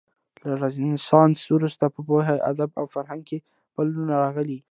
له رنسانس وروسته په پوهه، ادب او فرهنګ کې بدلونونه راغلل.